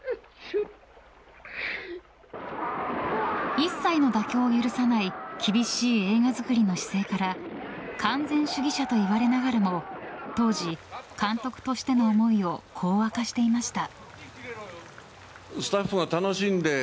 一切の妥協を許さない厳しい映画作りの姿勢から完全主義者といわれながらも当時、監督としての思いをこう明かしていました。